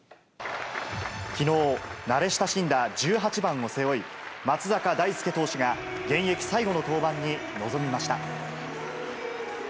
きのう、慣れ親しんだ１８番を背負い、松坂大輔投手が現役最後の登板に臨みました。